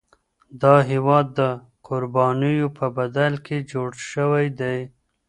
دا هیواد د قربانیو په بدل کي جوړ شوی دی.